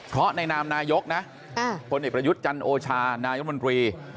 เพราะในนามนายกนะพลเอกประยุทธ์จันโอชานายมนตรี